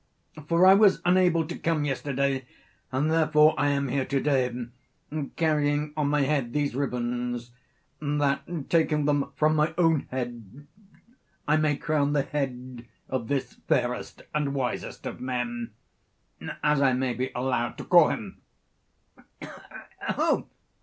For I was unable to come yesterday, and therefore I am here to day, carrying on my head these ribands, that taking them from my own head, I may crown the head of this fairest and wisest of men, as I may be allowed to call him.